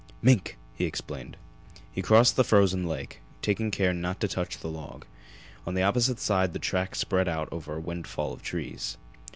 "Mink!" he explained. He crossed the frozen creek, taking care not to touch the log. On the opposite side the tracks spread out over a windfall of trees.